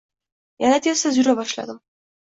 Yana tez-tez yura boshladim